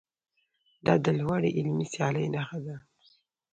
دا د لوړې علمي سیالۍ نښه ده.